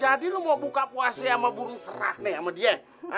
jadi lo mau buka puasa sama burung serak nih sama dia